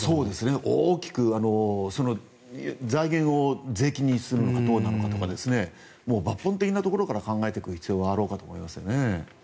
大きく財源を税金にすることなのかとか抜本的なところから考えていく必要があるかと思います。